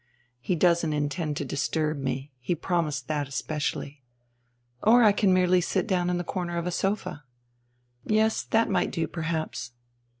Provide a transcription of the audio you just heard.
"He doesn't intend to disturb me. He promised me that specially." "Or I can merely sit down in the corner of the sofa." "Yes, that might do perhaps.